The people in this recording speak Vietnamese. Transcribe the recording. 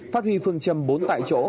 phát huy phương châm bốn tại chỗ